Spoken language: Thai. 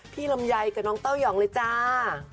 ลำไยกับน้องเต้ายองเลยจ้า